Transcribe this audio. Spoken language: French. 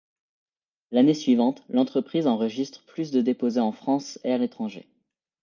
L'année suivante, l’entreprise enregistre plus de déposés en France et à l’étranger.